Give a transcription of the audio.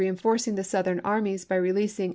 reenforcing the Southern armies by releasing ex chap.